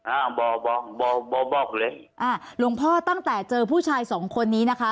อ่าบ่อบองบ่อบ่อบ้องเลยอ่าหลวงพ่อตั้งแต่เจอผู้ชายสองคนนี้นะคะ